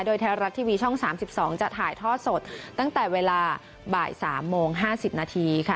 โดยไทยรัฐทีวีช่อง๓๒จะถ่ายทอดสดตั้งแต่เวลาบ่าย๓โมง๕๐นาทีค่ะ